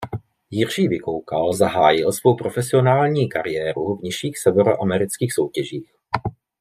Jiří Vykoukal zahájil svou profesionální kariéru v nižších severoamerických soutěžích.